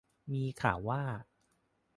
มีข่าวว่า